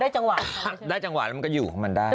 พอได้จังหวะได้จังหวะเราก็อยู่ของมันได้